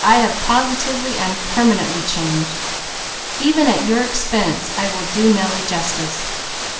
"I have positively and permanently changed. Even at your expense I will do Nellie justice.